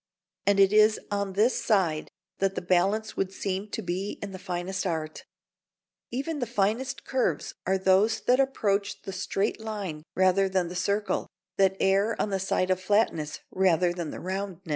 And it is on this side that the balance would seem to be in the finest art. Even the finest curves are those that approach the straight line rather than the circle, that err on the side of flatnesses rather than roundnesses.